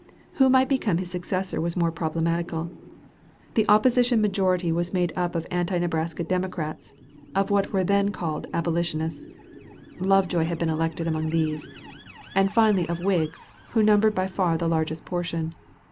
Who might become his successor was more problematical. The opposition majority was made up of anti Nebraska Democrats, of what were then called "abolitionists" (Lovejoy had been elected among these), and finally of Whigs, who numbered by far the largest portion.